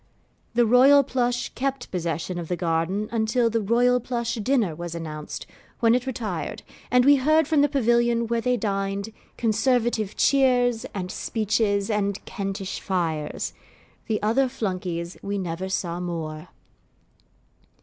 The Royal Plush kept possession of the garden until the Royal Plush dinner was announced, when it retired, and we heard from the pavilion where they dined, conservative cheers, and speeches, and Kentish fires. The other Flunkeys we never saw more.